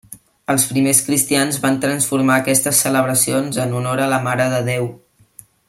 Els primers cristians van transformar aquestes celebracions en honor a la Mare de Déu.